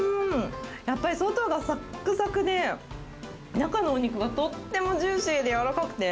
やっぱり外がさっくさくで、中のお肉がとってもジューシーで柔らかくて。